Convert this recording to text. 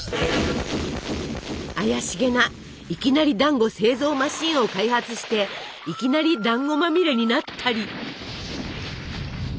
怪しげないきなりだんご製造マシンを開発していきなりだんごまみれになったり。